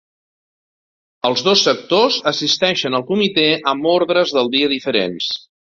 Els dos sectors assisteixen al comitè amb ordres del dia diferents.